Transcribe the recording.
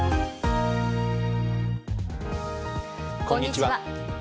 こんにちは。